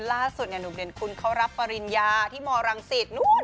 ล่าสุดเนี่ยหนุ่มเด่นคุณเค้ารับปริญญาที่มรังศิษย์